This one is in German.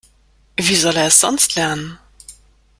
Wie soll er es sonst lernen?